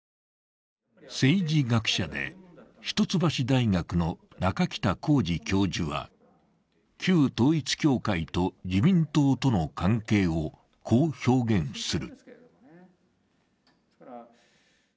政治学者で一橋大学の中北浩爾教授は、旧統一教会と自民党との関係をこう表現する。